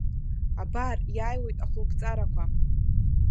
Абар, иааиуеит ахәылԥҵарақәа.